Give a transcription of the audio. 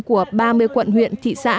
của ba mươi quận huyện thị xã